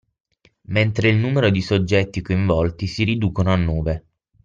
Mentre il numero di soggetti coinvolti si riducono a nove.